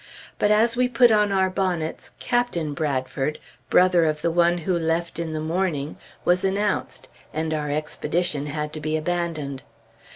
But as we put on our bonnets, Captain Bradford, brother of the one who left in the morning, was announced, and our expedition had to be abandoned.